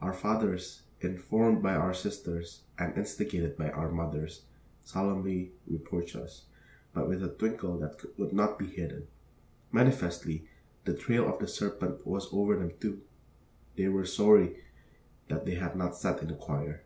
Our fathers, informed by our sisters, and instigated by our mothers, solemnly reproached us, but with a twinkle that would not be hidden. Manifestly, the trail of the serpent was over them, too. They were sorry that they had not sat in the choir.